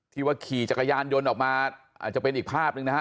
ว่าขี่จักรยานยนต์ออกมาอาจจะเป็นอีกภาพหนึ่งนะฮะ